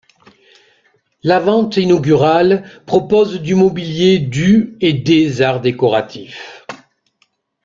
La vente inaugurale propose du mobilier du et des arts décoratifs.